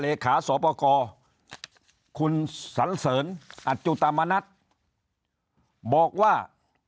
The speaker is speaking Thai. เลขาสวปกรคุณสันเสริญอัจจุตามนัดบอกว่า